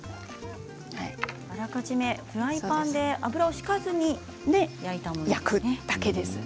あらかじめフライパンに油を引かずに焼くだけですね。